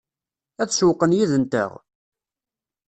Ad sewwqen yid-nteɣ?